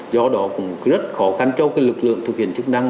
do đó cũng rất khó khăn cho lực lượng thực hiện chức năng